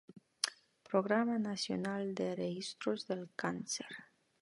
Programa Nacional de Registros del Cáncer